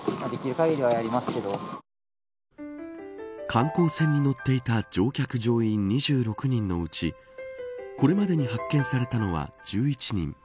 観光船に乗っていた乗客、乗員２６人のうちこれまでに発見されたのは１１人。